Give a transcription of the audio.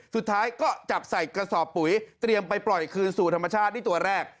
สุดท้ายก็จับใส่กระสอบปุ๋ยเตรียมไปปล่อยคืนสู่ธรรมชาตินี่ตัวแรก